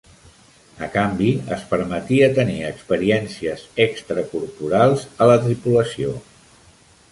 A canvi, es permetia tenir experiències extracorporals a la tripulació.